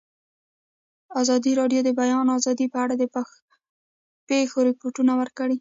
ازادي راډیو د د بیان آزادي په اړه د پېښو رپوټونه ورکړي.